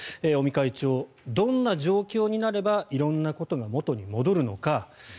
尾身会長、どんな状況になれば色んなことが元に戻るのか。